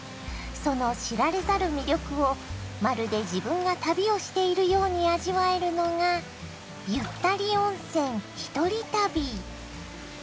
その知られざる魅力をまるで自分が旅をしているように味わえるのが「ゆったり温泉ひとり旅」。